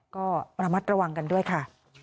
ก็ระมัดระวังกันด้วยค่ะ